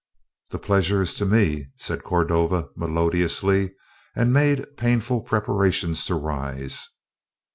"The pleasure is to me," said Cordova melodiously, and made painful preparations to rise.